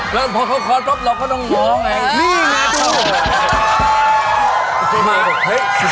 แล้วพอเขาขอตรกเราก็ต้องมองนี่ไงดู